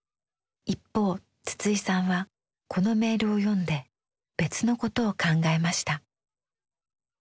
一方筒井さんはこのメールを読んで別のことを考えました。